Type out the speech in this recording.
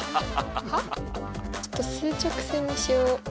ちょっと数直線にしよ。